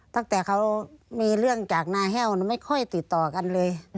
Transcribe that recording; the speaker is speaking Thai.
ตั้งแต่เขามีเรื่องจากนายแห้วไม่ค่อยติดต่อกันเลย